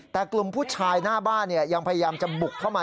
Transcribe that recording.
แต่กลุ่มผู้ชายหน้าบ้านยังพยายามจะบุกเข้ามา